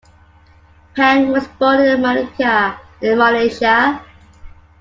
Pang was born in Malacca, Malaysia.